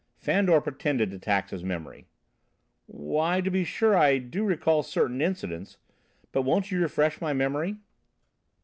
Fandor pretended to tax his memory. "Why, to be sure I do recall certain incidents, but won't you refresh my memory?"